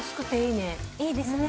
いいですね。